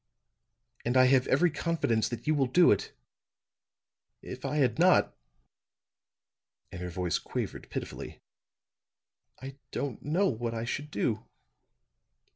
And I have every confidence that you will do it. If I had not," and her voice quavered pitifully, "I don't know what I should do."